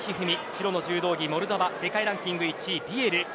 白の柔道着、モルドバ世界ランキング１位ヴィエル。